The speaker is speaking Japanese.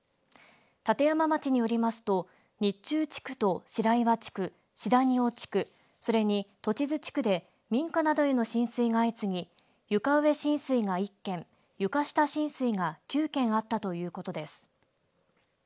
立山町によりますと日中地区と白岩地区四谷尾地区、それに栃津地区で民家などへの浸水が相次ぎ床上浸水が１件床下浸水が９件あったということです。